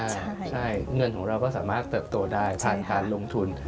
ใช่เงินของเราก็สามารถเติบโตได้ผ่านการลงทุน